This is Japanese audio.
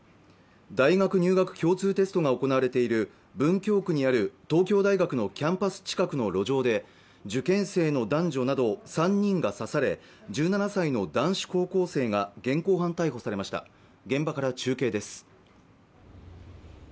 大学入学共通テストが行われている文京区にある東京大学のキャンパス近くの路上で受験生の男女など３人が刺され１７歳の男子高校生が現行犯逮捕されました現場から中継です